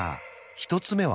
１つ目は？